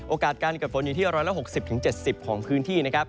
โอกาสการเกิดฝนอยู่ที่๑๖๐๗๐ของพื้นที่นะครับ